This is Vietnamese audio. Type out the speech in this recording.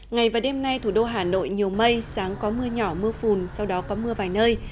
ngày và đêm nay thủ đô hà nội nhiều mây sáng có mưa nhỏ mưa phùn sau đó có mưa vài nơi